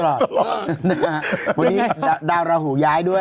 วันนี้ดาวราหูย้ายด้วย